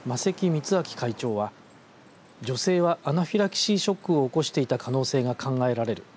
充明会長は女性はアナフィラキシーショックを起こしていた可能性が考えられる。